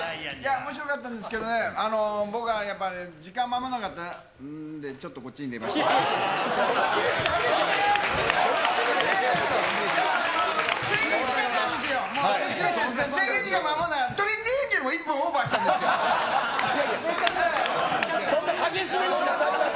おもしろかったんですけどね、僕はやっぱり、時間守んなかったんで、ちょっとこっちに入れました。